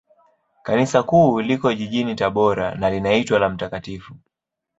Kanisa Kuu liko jijini Tabora, na linaitwa la Mt.